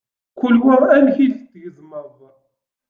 Kul wa amek i t-tgezmeḍ.